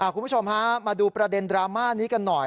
คุณผู้ชมฮะมาดูประเด็นดราม่านี้กันหน่อย